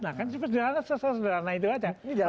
nah kan sesederhana itu saja